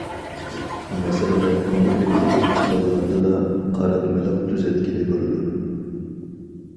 مەسىلىلەر كونكرېت تېپىپ چىقىلغاندىلا، قاراتمىلىق تۈزەتكىلى بولىدۇ.